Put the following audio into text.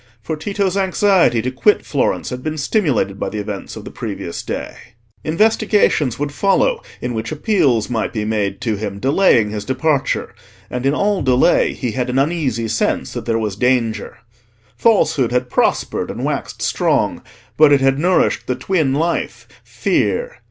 For Tito's anxiety to quit Florence had been stimulated by the events of the previous day: investigations would follow in which appeals might be made to him delaying his departure: and in all delay he had an uneasy sense that there was danger. Falsehood had prospered and waxed strong; but it had nourished the twin life, Fear.